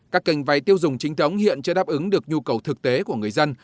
các kênh vay tiêu dùng chính thống hiện chưa đáp ứng được nhu cầu thực tế của người dân